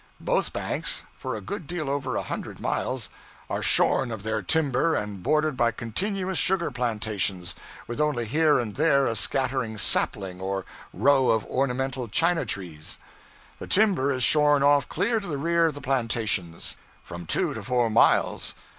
Both banks, for a good deal over a hundred miles, are shorn of their timber and bordered by continuous sugar plantations, with only here and there a scattering sapling or row of ornamental China trees. The timber is shorn off clear to the rear of the plantations, from two to four miles.